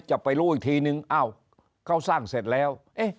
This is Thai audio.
จะไปรู้อีกทีนึงอ้าวเขาสร้างเสร็จแล้ว